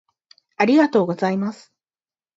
ありがとうございます。